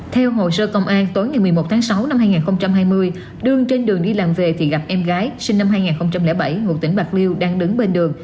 theo hồ sơ công an tối ngày một mươi một tháng sáu năm hai nghìn hai mươi đương trên đường đi làm về thì gặp em gái sinh năm hai nghìn bảy nguồn tỉnh bạc liêu